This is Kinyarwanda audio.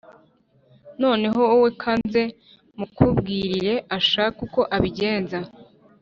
noneho wowe kanze mukubwirire ashake uko abigenza